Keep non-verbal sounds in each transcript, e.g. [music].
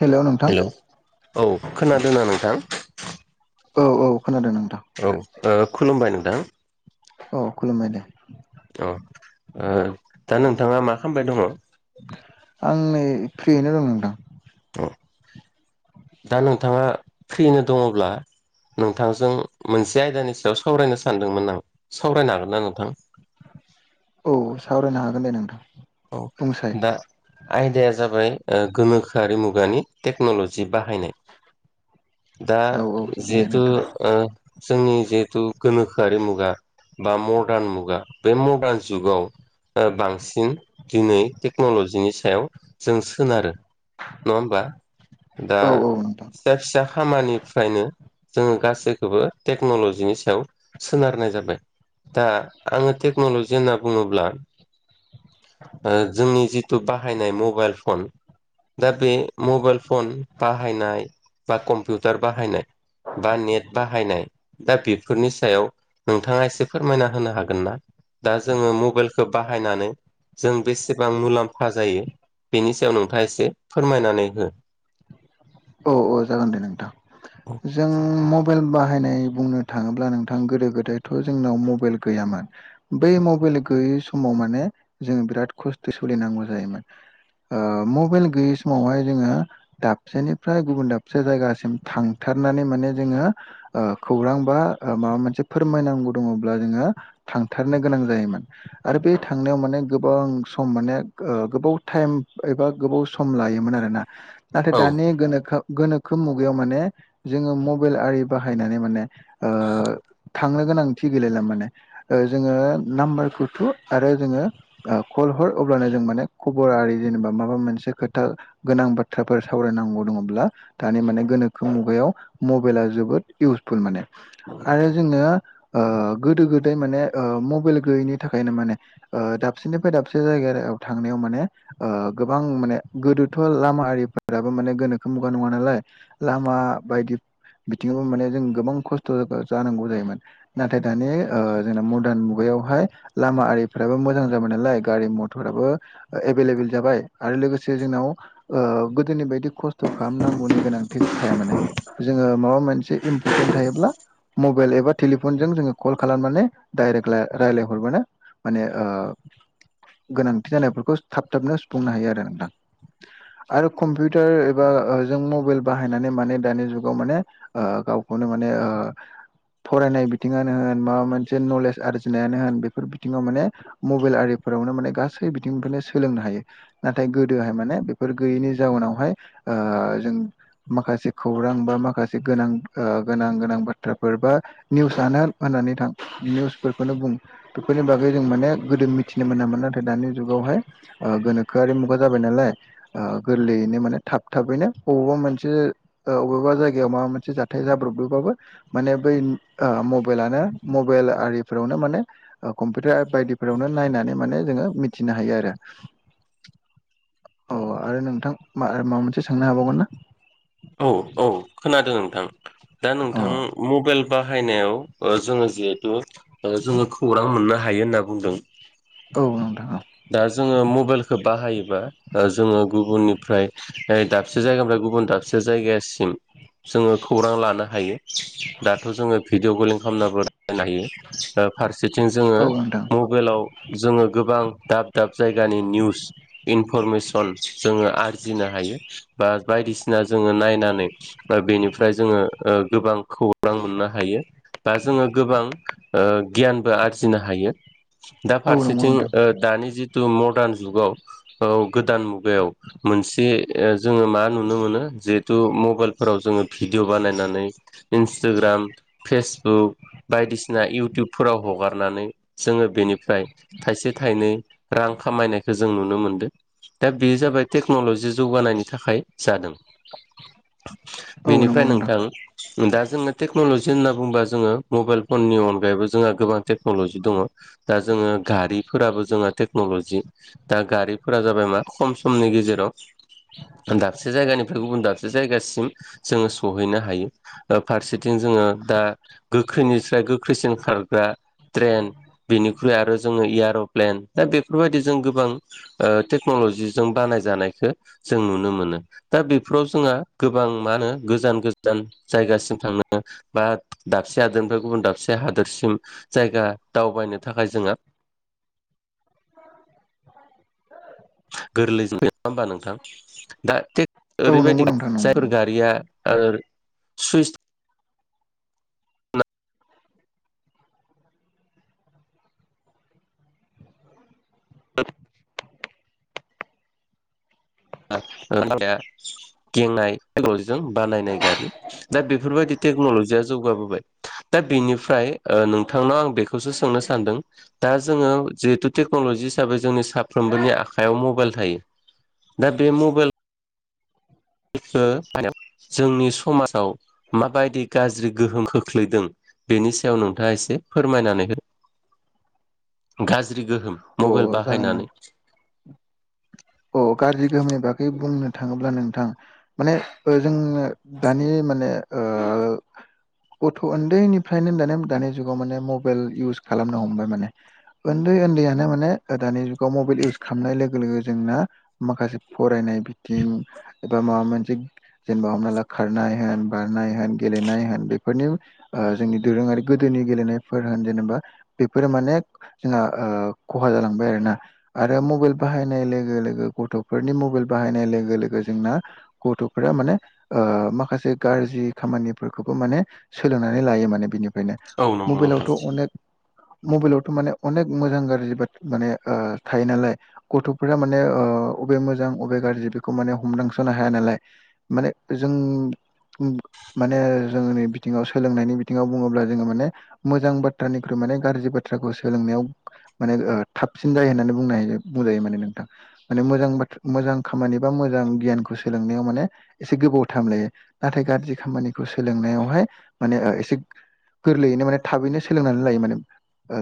Hello नोंथां हेल' औ खोनादोंना नोंथां? औ औ खोनादों नोंथां औ ओ खुलुमबाय नोंथां औ खुलुमबाय दे औ दा नोंथाङा मा खालामबाय दङ। आं नै फ्रियैनो दं नोंथां। औ दा नोंथाङा फ्रिनो दङब्ला नोंथांजों मोनसे आयदानि सायाव सावरायनो सानदोंमोन आं सावरायनो हागोन ना नोंथां? औ सावरायनो हागोन दे नोंथां। औ बुंसाय दा आयदाया जाबाय गोनोखोआरि मुगानि टेक्न'ल'जि बाहायनाय। दा औ औ जागोन दे जिहेथु नोंथां ओ जोंनि जिहेथु गोनोखोआरि मुगा बा मडार्न मुगा बे मडार्न जुगाव बांसिन ओ बांसिन दिनै टेक्न'ल'जिनि सायाव जों सोनारो नङा होमबा दा औ औ नोंथां फिसा फिसा खामानि फ्रायनो जोङो गासैखौबो टेक्न'ल'जिनि सायाव सोनारनाय जाबाय। दा आङो टेक्न'लजि होनना बुङोब्ला ओ जोंनि जिथु बाहायनाय मबाइल फन दा बे मबाइल फन बाहायनाय बा कम्पिउटार बाहायनाय। बा नेट बाहायनाय दा बेफोरनि सायाव नोंथाङा एसे फोरमायना होनो हागोन ना। दा जोङो मबाइलखौ बाहायनानै जों बेसेबां मुलाम्फा जायो। बेनि सायाव नोंथाङा एसे फोरमायनानै हो। औ औ जागोन दे नोंथां जों म बाइल बाहायनाय बुंनो थाङोब्ला नोंथां गोदो गोदायथ' जोंनाव मबाइल गैयामोन बे मबा गैयै समाव माने जोंङो बिराद खस्थ' सोलिनांगौ जायोमोन। ओ मबाइल गैयै समावहाय जोङो दाबसेनि फ्राय गुबुन दाबसे जायगासिम थांथारनानै माने जोङो ओ खौरां बा माबा मोनसे फोरमायनांगौ दङब्ला जोङो थांथारनो गोनां जायोमोन आरो बे थांनायाव माने गोबां सम माने गोबाव टाइम एबा गोबाव सम लायोमोन आरोना नाथाय औ दानि गोनोखो मुगायाव मानि जोङो मबाइल आरि बाहायनानै माने ओ [inaudible] थांनो गोनांथि गैलायला माने जोङो नाम्बारखौ थु आरो जोङो कल हर अब्लानो जों माने खबरारि जेनेबा माबा मोनसे खोथा गोनां बाथ्राफोर सावरायनांगौ दङब्ला दानि माने गोनोखो मुगाव मबाइला जोबोद इउसफुल माने आरो जों ओ गोदो गोदाय माने ओ मबाइल गैयैनि थाखायनो माने दाबसेनिफ्राय दाब से जायगायाव थांनायाव माने ओ गोबां माने गोदोथ' लामाआरिफोराबो माने गोनो मुगा नङा नालाय लामा बायदि बिथिङावबो माने जों गोबां खस्थ' जानांगौ जायोमोन नाथाय दानि जोंना मदार्न मुगाय हाय लामा आरिफ्राबो मोजां जाबाय नालाय गारि मथराबो एभेलेबेल जाबाय आरो लो लोगोसे जोंनाव ओ गोदोनि बायदि खस 'खालाम नांगौनि गोनांथि थाया माने जोङो माबा मोनसे इम्परटेन्ट थायोब्ला मबाइल एबा टेलिफनजों जोङो कल खालामनानै डाइरेक्ट रा रायलायहरबानो माने ओ गोनांथि जानायफोरखौ थाब थाबनो सुफुंनो हायो आरो नोंथां आरो कम्पिउटार ओ ओ जों मबाइल बाहायनानै माने दानि जुगाव माने ओ गावखौनो माने ओ फरायनाय बिथिङानो होन माबा मोनसे नलेज आरजिनायानो होन बेफोर बिथिङाव माने मबाइल आरि फोरावनो माने गासै बिथिंफोरनो सोलोंनो हायो नाथाय गोदोहाय माने बेफोर गैयैनि जाउनावहाय ओ जों माखासे खौरां बा माखासे गोनां ओ गोनां गोनां बाथ्राफोर बा निउसानो निसनो बुं बेफोरनि बागै जों माने गोदो मिथिनो मोनामोन नाथाय दानि जुगावहा ओ गोनोखोआरि मुगा जाबाय नालाय गोरलैयैनो माने थाबनो थाबैनो बबेवबा मोनसे अबेबा जायगायाव माबा मोनसे जाथाय जाब्रबदोबाबो माने बै ओ मबाइल आरिावनो माने कम्पिउटार बायदिफोरावनो नायनानै मान जोङो मिथिनो हायो आरो। [inaudible] अ आरो नोंथां माबा मोनसे सोंनो हाबावगोन ना? औ औ खोनादों नोंथां दा अ नोंथां मबाइल बाहायनायाव ओ जोङो जिहेथु ओ जोङो खौरां मोननो हायो होनना बुंदों। औ औ। दा जोङो मबाइलखौ बाहायोबा जोङो गुबुननिफ्राय दाबसे जायगानिफ्राय गुबुन दाबसे जायगासिम जोङो खौरां लानो हायो दाथ' जोङो भिडिअ' कलिं खामनाबो हायो ओ फारसेथिं औ जोङो नोंथां मबाइलाव जोङो गोबां दाब दाब जायगानि निउस इन इनफरमेसन जोङो आरजिनो हायो बा बायदिसिना जोङो नायनानै बेनि ओमफ्राय जोङो ओ गोबां खौरां मोननो हायो बा जोङो गोबां ओ गियानबो आरजिनो हायो। दा औ नंगौ फारसेथिं नोंथां ओ दानि जिहेतु मादाव जुगाव गोदान मुगायाव मोनसे जोङो मा नुनो नुनो मोनो जिहेतु मबाइलफोराव जोङो भिडिअ बानायनानै इन्सटाग्राम फेसबुक। बायदिसिना इउटुबफोराव हगारनानै जोङो बेनिफ्राय थाइसे थाइ थाखायनै रां खामायनायखौ जों नुनो मोनदों। दा बेयो जाबाय टेक्न'लजि जौगानायनि थाखाय जादों। औ नंगौ बेनिफ्राय नोंथां। दा जोङो टेक्न'लजि होनना बुंबा जोङो मबाइल फननि अनगायैबो जोंहा गोबां टेक्न'लजि दङ। दा जोङो गारि फोराबो जोङा टेकन'ल'जि दा गारिफोरा जाबाय मा खम समनि गेजेराव दाबसे जायगानिफ्राय गुबुन दाबसे जायगासिम जोङो सहैनो हायो ओ फारसे जोङो दा गो गोख्रिनिफ्राय गोख्रैसिन खारग्रा ट्रेन बेनिख्रुइ आरो जोङो इयार प्लेन दा बेफोरबायदि जों गोबां टेक्नल'जि जों बानाय जानायखौ जों नुनो मोनो दा बेफोराव जोंहा गोबां मा होनो गोजान गोजान जायगासिम थांनो बा दाबसे हादोरनिफ्राय गुबुन दाबसे हादोरसिम जायगा दावबायनो थाखाय जोंहा गोरलैजों [unintelligible] होमबा नोंथां। दा थेक औ नंगौ ओरैबायदि नोंथां नंगौ जायफोर नंगौ गारिया आरो सुइस [unintelligible] गेंनाय टेनजिजों बानायनाय गारि दा बेफोरबायदि टेक्न'लजिया जौगाबोबाय दा दा बेनिफ्राय ओ नोंथांनाव आं बेखौसो सोंनो सानदों दा जोङो जिहेथु टेक्नलजि हिसाबै जोंनि साफ्रोमबोनि आखायाव मबाइल थायो दा बे मबाइल माने जोंनि समाजाव माबायदि गाज्रि गोहोम खोख्लैदों बेनि सायाव नोंथाङा एसे फोरमायनानै हो गाज्रि गोहोम मबाइल अ जागोन नों बाहायनानै अ गाज्रि गोहोमनि बागै बुंनो थाङोब्ला नोंथां माने ओ जों दानि माने ओ गथ' उन्दैनिफ्रायनो दानि दानि जुगाव माने मबाइल इउस खालामनो हमबाय माने उन्दै उन्दैयानो माने दानि जुगाव मबाइल इउज खालामनाय लोगो लोगो जोंना माखासे फरायनाय बिथिं एबा माबा मोनसे जेनेबा हमना ला खारनाय होन बारनाय होन गेलेनाय होन बेफोरनि ओ जोंनि दोरोङारि गोदोनि जनि गेलेनाय जेनेबा बेफोर माने जोंहा ओ खहा जालांबाय आरोना आरो ओ मबाइल बाहाय [unintelligible] लोगो लोगो गथ'निफोरनि मबेल बाहायनाय लोगो लोगो जोंना गथ'फोरा माने ओ माखासे गारजि खामानिफोरखौबो माने सोलोंनानै लायो माने बिनि बेनो औ नंगौ नोंथां मबेलावथ' अनेक मबाइलावथ' माने अनेक मोजां गाज्रि बाथ्रा माने थायो नालाय। गथ'फोरार माने बबे मोजां अबे गाज्रि बेखौ माने हमदांस'नो हाया नालाय माने जों। उम माने जोंनि बिथिङाव सोलोंनायनि बिथिङाव बुङोब्ला जोङो माने मोजां बाथ्रानिख्रुइ माने गारजि बाथ्राखौ सोलोंनायाव माने ओ थाबसिन जायो होननानै बुंनो हायो बुंजायो माने नोंथां माने मोजां बाथ्रा मोजां खामानि बा मोजां गियानखौ सोलोंनायाव माने एसे गोबावथाइमलायो नाथाय गारजि खामानिखौ सोलोंनायावहाय माने ओ एसे गोरलैयैनो माने थाबैनो सोलोंनानै लायो माने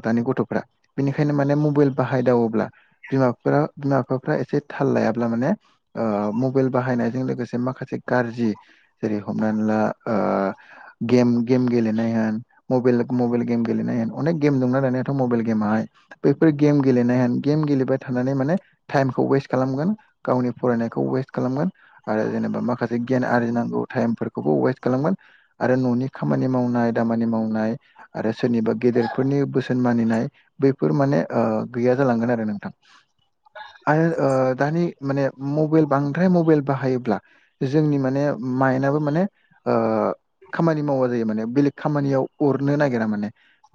दानि गथ'फ्रा बेनिखायनो माने मबाइल बाहायदावोब्ला। बिमाफोरा बिमा बिफाफ्रा एसे थाल लायाब्ला माने ओ मबाइल बाहायनायजों लोगोसे माखासे गाज्रि जेरै हमनानै ला गेम गेम गेलेनाय होन मबाइल। मबेल गेम गेलेनाय होन अनेक गेम दंना दानायाथ' मबेल गेम आहाय बैफोर गेम गेलेनाय होन गेम गेलेब थनानै माने टाइमखौ वेस्ट खालामगोन गावनि फरायनायखौ वेस्ट खालामगोन आरो जेनेबा माखासे। गियान आरजिनांगौ टाइमफोरखौबो वेस्ट खालामगोन आरो न'नि खामानि मावनाय दामानि मावनाय। आरो सोरनिबा गेदेरफोरनि बोसोन मानिनाय बैफोर माने ओ गैया जालांगोन आरो नोंथां [unintelligible] आरो ओ दानि माने मबेल बांद्राय मबेल बाहायोब्ला जोंनि माने माइनआो माने। खामानि मावा जायो माने बेलेग खामानियाव अरनो नागिरा माने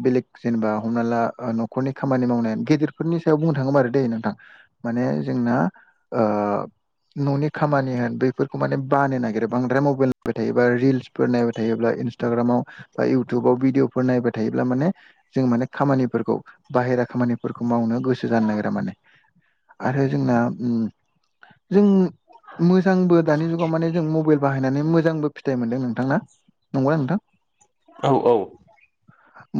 बेलेग जेनेबा हमना ला। न'खरनि खामानि मावनायानो गेदेरफोरनि सायाव बुंनो थाङो [inaudible] दैे नोंथां माने जोंना ओ न'नि खामानि होन बेफोरखौ माने बानो नागिरो बांद्राय मबाइल नायबाय थायोबा रिल्सफोर नायबाय थायोब्ला इन्सटाग्रामाव बा इउटुबाव भिदिअफोर नायबाय थायोब्ला माने जों माने खामानिफोरखौ बाहेर [unintelligible] खामानिफोरखौ मावनो गोसो जानो नागिरा माने आरो जोंना उ जों। मोजांबो दानि जुगाव माने जों मबाइल बाहायनानै मोजांबो फिथाइ मोनदों नोंथां ना नंगौ नोंथां। औ औ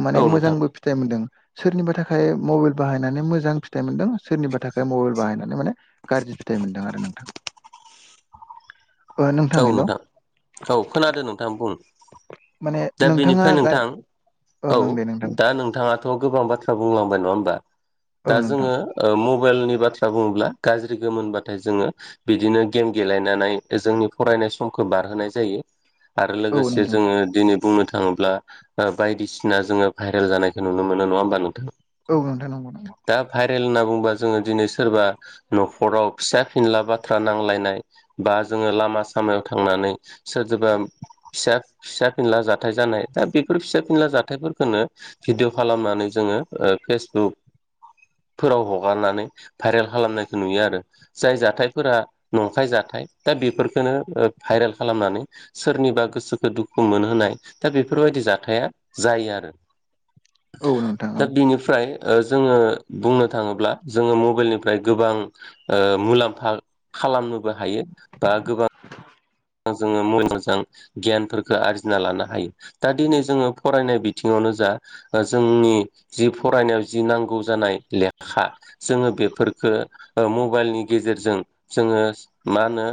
माने औ नोंथां मोजांबो फिथाइ मोनदों। सोरनिबा थाखाय मबाइल बाहायनानै मोजां फिथाइ मोनदों सोरनिबा थाखाय मबाइल बाहायनानै माने गारजि फिथाइ मोनदों आरो नोंथां। ओ औ हेल' नोंथां औ खोनादो नोंथां बुं। माने दा नोंथाङा बेनिफ्राय दा नोंथां। औ ओं ओं दे नोंथां दा नोंथाङाथ' गोबां बाथ्रा बुंलांबाय नङा होमबा दा औ नोंथां जोङो ओ मबाइलनि बाथ्रा बुङोब्ला गाज्रि गोमोनबाथाय जोङो बिदिनो गेम गेलेनानै जोंनि फरायनाय समखौ बारहोनाय जायो आरो औ लोगोसे नोंथां जोङो दिनै। बुंनो थाङोब्ला ओ बायदिसिना जोङो भाइरेल जानायखौ नुनो मोनो नङा होमबा नोंथां? औव नोंथां नंगौ नंगौ। ओमबा जोंङो दिनै सोरबा न'खराव फिसा फिनला बाथ्रा नांलायनाय बा जोंङो लामा सा खामायाव थांनानै सोरजोंबा। फिसा फिसा फिनला जाथाय जानाय दा बेफोर फिसा फिनला जाथायफोरखोनो भिदिअ खालामनानै जोङो ओ फेसबुक फोराव हगारनानै भाइरेल खालामनायखौ नुयो आरो जाय जाथायफोरा नंखाय जा थाय दा बेफोरखौ। भाइरेल खालामनानै सोरनिबा गोसोखौ दुखु मोनहोनाय दा बेफोरबायदि जाथाया जायो आरो औ नोंथां औ दा बेनिफ्राय ओ जोङो बुंनो थाङोब्ला जोङो मबेलनिफ्राय गोबां ओ मुलाम्फा खालामनोबो हायो बा गोबां। जोङो मोजां गियानफोरखौ आरजिना लानो हायो दा दिनै जोङो फरायनाय बिथिङावनो जा जोंनि जि फरायनायाव जि नांगौ जानाय लेखा जोङो बेफोर ओ ओ मबाइलनि गेजेरजों जोङो मा होनो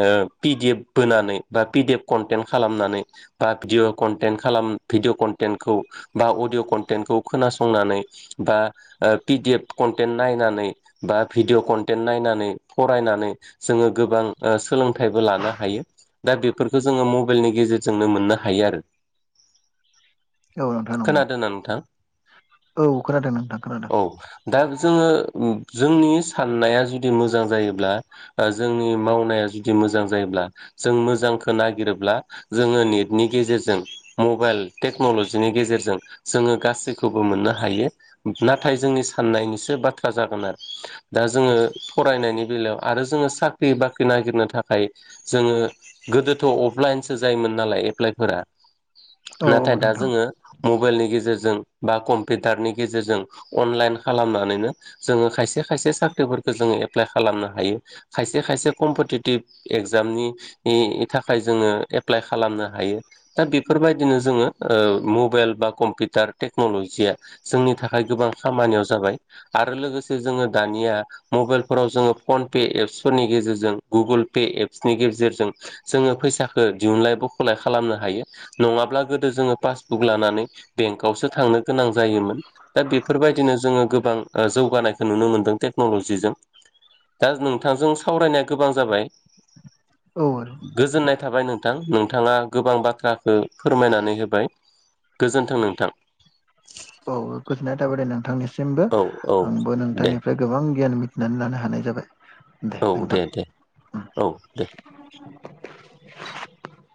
ओ पिडिएफ बोनानै बा पिडि एफ कन्टेन्ट खालामनानै बा भिडि कन्टेन्ट खालाम भिडिअ' कन्टेन्टखौ बा अडिय' कन्टेनखौ खोनासंनानै बा ओ पिडि एफ कन्टेन नायनानै बा भिडिअ' कन्टेन्ट नायनानै फरायनानै जोङो गोबां सोलोंथाइबो लानो हायो। दा बेफोरखौ जोङो मबाइलनि गेजेरजोंनो मोननो हायो आरो। औ नोंथां नंगौ खोनादोंना नोंथां? औ खोनादों नोंथां खोनादों औ दा जोङो। जोंनि साननाया जुदि मोजां जायोब्ला ओ जोंनि मावनाया जुदि मोजां जायोब्ला जों मोजांखो नागिरोब्ला जोङो नेटनि गेजेरजों मबाइल टेक्न'लजिनि गेजेर जोङो गासैखौबो मोननो हायो नाथाय जोंनि साननायनिसो बाथ्रा जागोन आरो। दा जोङो फरायनायनि बेलायाव आरो जोङो साख्रि बाख्रि नागिरनो थाखाय जोङो गोदोथ' अफलाइनसो जायोमोन नालाय एप्लाइफोरा औ औ नाथाय दा नोंथां जोङो मबाइलनि गेजेरजों बा कम्पिउटारनि गेजेरजों अनलाइन खालामनानैनो जोङो खायसे खायसे साख्रिफोरखौ जोङो एप्लाइ खालामनो हायो खायसे खायसे कम्पिटिटिभ एगजामनि नि थाखाय जोङो एप्लाइ खालामनो हायो दा बेफोरबायदिनो जोङो ओ मबेइल कम्पिउटार टेक्न'लजिया जोंनि थाखाय गोबां खामानियाव जाबाय आरो लोगोसे जोङो दा दानिया मबाइलफोराव जोङो फन पे एप्सफोरनि गेजेरजों गुगोल पे एप्सनि गेजेरजों जोङो फैसाखौ दिहुनलाय बख'लाय खालामनो हायो नङाब्ला गोदो जोङो पासबुक लानानै बेंकआवसो थांनो गोनां जायोमोन। दा बेफोरबायदिनो जोङो गोबां जौगानायखौ नुनो मोनदों। टेखन'ल'जिजों दा नोंथांजों सावरायनाया गोबां जाबाय औ औ गोजोननाय थाबाय नोंथां नोंथाङा गोबां बाथ्राखो फोरमायनानै होबाय। गोजोन्थों नोंथां। औ गोजोननाय थाबाय दे नोंथांनिसिमबो औ औ आंबो दे नोंथांनिफ्राय गोबां गियान मिथिनानै लानो हानाय जाबाय। औ दे दे औ दे।